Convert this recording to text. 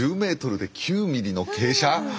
１０ｍで９ｍｍの傾斜。